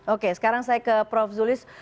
oke sekarang saya ke prof zulis